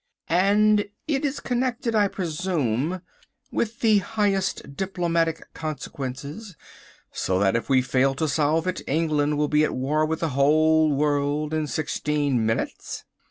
"And it is connected, I presume, with the highest diplomatic consequences, so that if we fail to solve it England will be at war with the whole world in sixteen minutes?"